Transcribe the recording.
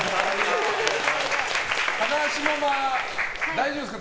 高橋ママ、大丈夫ですか？